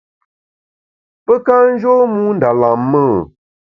Pe ka njô mû nda lam-e ?